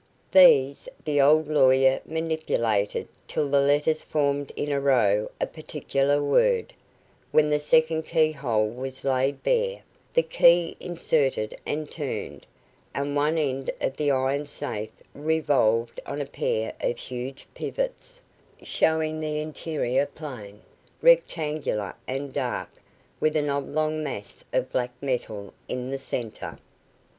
These the old lawyer manipulated till the letters formed in a row a particular word, when the second key hole was laid bare, the key inserted and turned, and one end of the iron safe revolved on a pair of huge pivots, shewing the interior plain, rectangular and dark, with an oblong mass of black metal in the centre.